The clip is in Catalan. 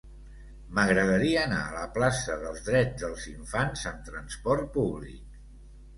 M'agradaria anar a la plaça dels Drets dels Infants amb trasport públic.